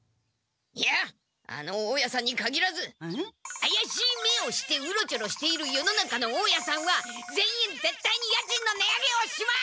あやしい目をしてうろちょろしている世の中の大家さんは全員ぜったいに家賃の値上げをします！